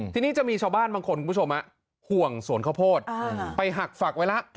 ทีนี้จะมีชาวบ้านบางคนคุณผู้ชมห่วงสวนข้าวโพดไปหักฝักไว้แล้ว